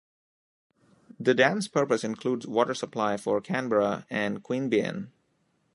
The dam's purpose includes water supply for Canberra and Queanbeyan.